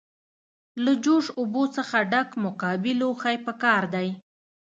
له جوش اوبو څخه ډک مکعبي لوښی پکار دی.